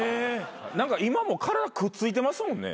何か今も体くっついてますもんね。